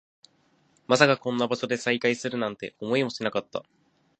まさかこんな場所で再会するなんて、思いもしなかった